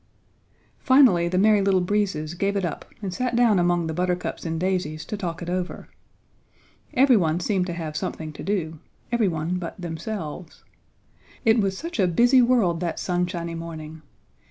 Finally the Merry Little Breezes gave it up and sat down among the buttercups and daisies to talk it over. Every one seemed to have something to do, every one but themselves. It was such a busy world that sunshiny morning!